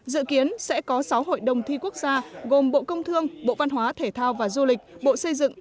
dự kiến sẽ có sáu hội đồng thi quốc gia gồm bộ công thương bộ văn hóa thể thao và du lịch bộ xây dựng